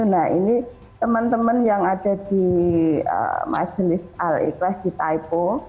nah ini teman teman yang ada di majelis al ikhlas di taipo